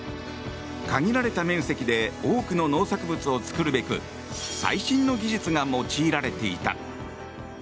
限られた面積で多くの農作物を作るべく最新の技術が用いられていた。